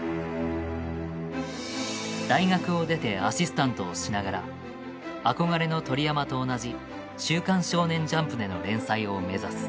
大学を出てアシスタントをしながら憧れの鳥山と同じ「週刊少年ジャンプ」での連載を目指す。